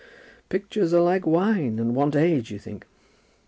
"Pictures are like wine, and want age, you think?"